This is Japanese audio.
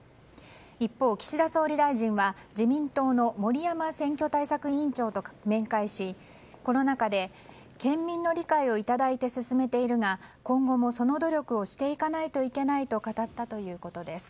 一方、岸田総理大臣は自民党の森山選挙対策委員長と面会しコロナ禍で県民の理解をいただいて進めているが今後もその努力をしていかないといけないと語ったということです。